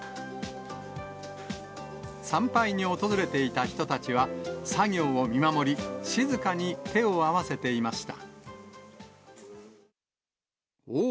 参拝に訪れていた人たちは、作業を見守り、静かに手を合わせていました。